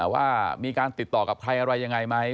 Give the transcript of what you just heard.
ว่ามีการติดต่อกับใครอะไรยังไงไหม